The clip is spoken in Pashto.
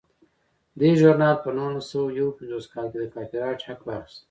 دې ژورنال په نولس سوه یو پنځوس کال کې د کاپي رایټ حق واخیست.